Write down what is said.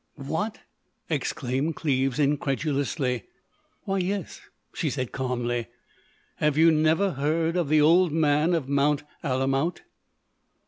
"What!" exclaimed Cleves incredulously. "Why, yes," she said, calmly. "Have you never heard of The Old Man of Mount Alamout?"